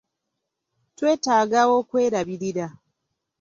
Twetaaga okwerabirira.